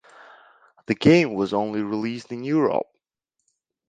The game was only released in Europe.